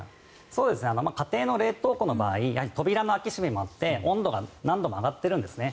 家庭の冷凍庫の場合扉の開け閉めもあって温度が何度も上がってるんですね。